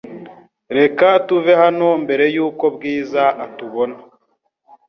Reka tuve hano mbere yuko Bwiza atubona .